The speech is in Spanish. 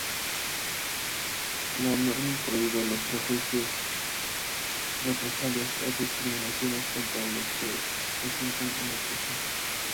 La norma prohíbe "los prejuicios, represalias o discriminaciones" contra los que presenten una queja.